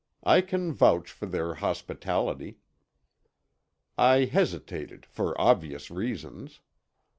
I can vouch for their hospitality." I hesitated, for obvious reasons.